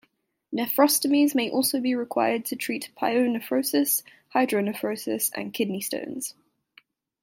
Nephrostomies may also be required to treat pyonephrosis, hydronephrosis and kidney stones.